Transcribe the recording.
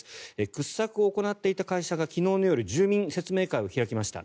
掘削を行っていた会社が昨日の夜住民説明会を開きました。